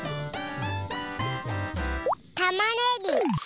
たまねぎ。